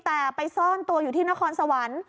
แต่ไปซ่อนตัวอยู่ที่นครสวรรค์